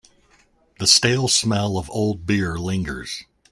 The stale smell of old beer lingers.